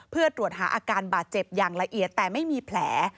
เพื่อตรวจหาอาการบาดเจ็บอย่างละเอียดแต่ไม่มีแผล